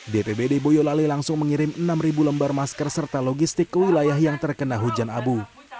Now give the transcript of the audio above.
dpbd boyolali langsung mengirim enam lembar masker serta logistik ke wilayah yang terkena hujan abu